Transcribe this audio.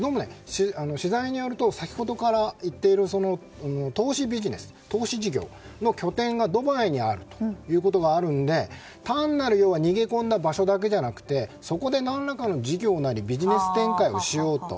取材によると先ほどから言っている投資事業のその拠点が、ドバイにあるということがあるので単なる逃げ込んだ場所というだけじゃなくてそこで何らかの事業なりビジネス展開をしようと。